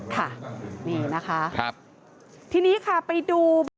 ค่ะนี่นะคะครับทีนี้ค่ะไปดู